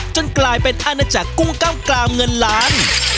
จนกลายเป็นอาณาจักรกุ้งกล้ามกรามเงินล้าน